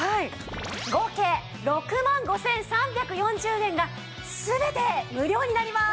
合計６万５３４０円が全て無料になります。